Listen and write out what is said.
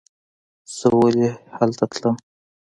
زه ولې هلته تلم.